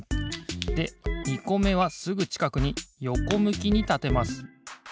で２こめはすぐちかくによこむきにたてます。